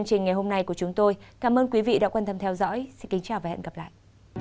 cảm ơn các ngân hàng đã theo dõi và hẹn gặp lại